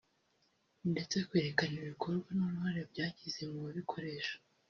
ndetseno kwerekana ibikorwa n’uruhare byagize mu kubabikoresha